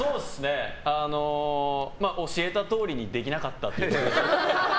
教えたとおりにできなかったという。